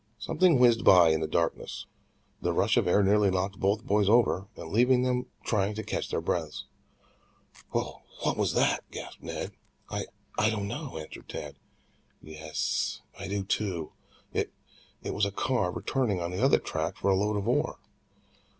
Something whizzed by in the darkness, the rush of air nearly knocking both boys over, and leaving them trying to catch their breaths. "Wh what's that?" gasped Ned. "I I don't know," answered Tad. "Yes, I do too. It it was a car returning on the other track for a load of ore."